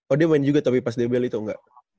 oh dia main juga tapi pas dbl itu engga